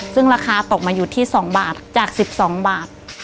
ซึ่งราคาตกมาอยู่ที่๒บาทจาก๑๒บาท